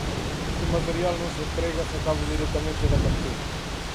Este material non se emprega sacado directamente da canteira.